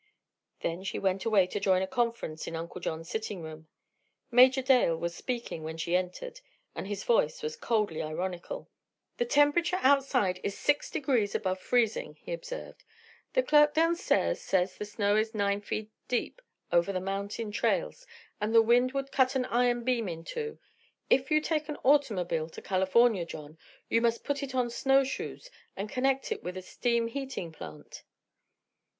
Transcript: Then she went away to join a conference in Uncle John's sitting room. Major Doyle was speaking when she entered and his voice was coldly ironical. "The temperature outside is six degrees above freezing," he observed. "The clerk downstairs says the snow is nine feet deep over the mountain trails and the wind would cut an iron beam in two. If you take an automobile to California, John, you must put it on snowshoes and connect it with a steam heating plant."